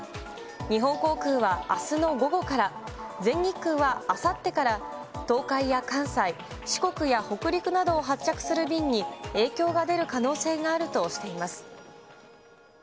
日本航空はあすの午後から、全日空はあさってから、東海や関西、四国や北陸などを発着する便に影響が出る可能性があるとしています。